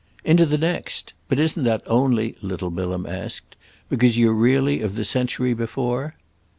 "Into the next? But isn't that only," little Bilham asked, "because you're really of the century before?"